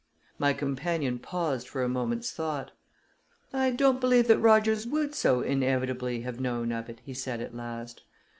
My companion paused for a moment's thought. "I don't believe that Rogers would so inevitably have known of it," he said, at last.